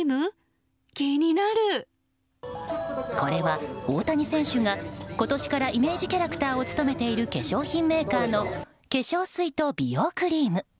これは、大谷選手が今年からイメージキャラクターを務めている化粧品メーカーの化粧水と美容クリーム。